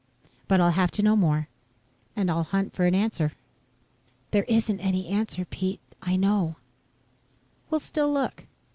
But I'll have to know more. And I'll hunt for an answer." "There isn't any answer, Pete. I know." "We'll still look.